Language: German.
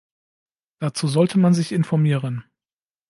Dazu sollte man sich informieren.